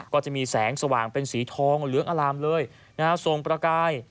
ก็จะมีแสงสว่างเป็นสีทองเหลืองอลามเลยทรงประกาย